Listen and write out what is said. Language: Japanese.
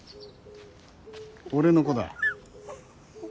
俺の子だ。